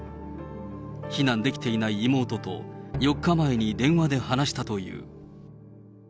避難できていない妹と４日前に電話で話したという。